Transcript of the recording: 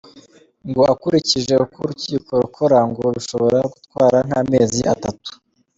Ngo akurikije uko urukiko rukora ngo bishobora gutwara nk’amezi atatu.